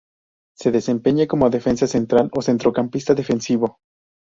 Se desempeña como defensa central o centrocampista defensivo.